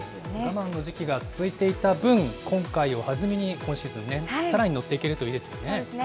我慢の時期が続いていた分、今回を弾みに今シーズンね、さらに乗っていけるといいですよね。